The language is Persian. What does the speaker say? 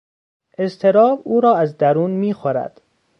اضطراب او را از درون میخورد.